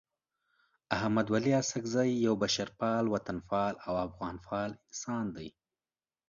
احمد ولي اڅکزی یو بشرپال، وطنپال او افغانپال انسان دی.